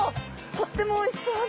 とってもおいしそうな。